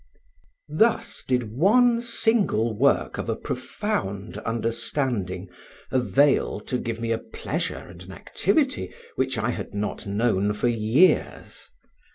Thus did one single work of a profound understanding avail to give me a pleasure and an activity which I had not known for years.